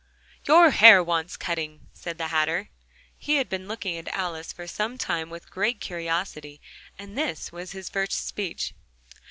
"Your hair wants cutting," said the Hatter. He had been looking at Alice for some time with great curiosity, and this was his first speech.